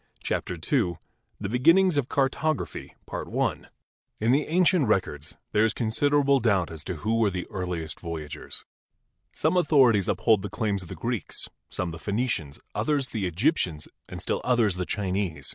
CHAPTER II THE BEGINNINGS OF CARTOGRAPHY In the ancient records there is considerable doubt as to who were the earliest voyagers. Some authorities uphold the claims of the Greeks, some the Phenicians, others the Egyptians and still others the Chinese.